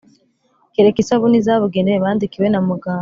kereka isabuni zabugenewe bandikiwe na muganga.